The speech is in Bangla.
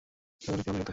যাবে নাকি আমাদের সাথে?